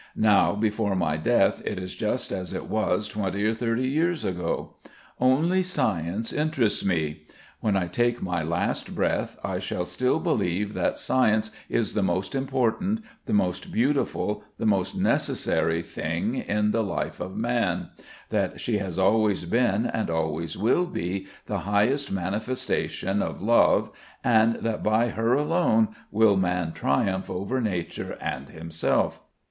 Now before my death it is just as it was twenty or thirty years ago. Only science interests me. When I take my last breath I shall still believe that Science is the most important, the most beautiful, the most necessary thing in the life of man; that she has always been and always will be the highest manifestation of love, and that by her alone will man triumph over nature and himself.